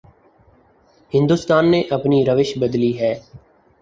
ہندوستان نے اپنی روش بدلنی ہے۔